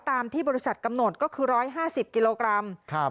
ตามที่บริษัทกำหนดก็คือ๑๕๐กิโลกรัม